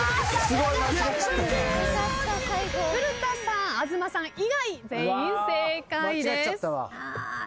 古田さん東さん以外全員正解です。